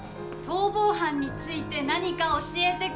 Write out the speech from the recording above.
逃亡犯について何か教えて下さい。